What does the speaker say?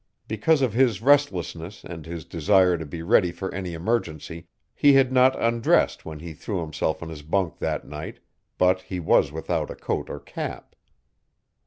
Because of his restlessness and his desire to be ready for any emergency he had not undressed when he threw himself on his bunk that night, but he was without a coat or cap.